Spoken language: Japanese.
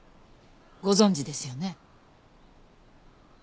ご存じですよね？